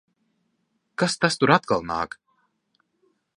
Kas tas tur atkal nāk?